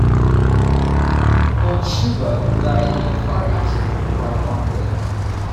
Nonxuba died in a car accident while on bail.